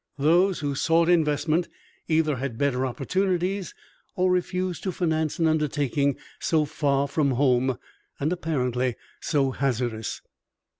Those who sought investment either had better opportunities or refused to finance an undertaking so far from home, and apparently so hazardous.